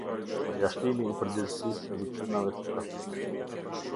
Përjashtimi i përgjegjësisë së viktimave të trafikimit.